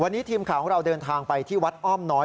วันนี้ทีมข่าวของเราเดินทางไปที่วัดอ้อมน้อย